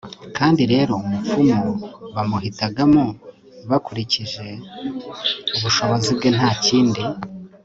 kandi rero umupfumu bamuhitagamo bakurikije ubushobozi bwe nta kindi